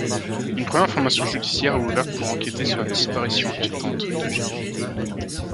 Une première information judiciaire est ouverte pour enquêter sur la disparition inquiétante d'Eugénie.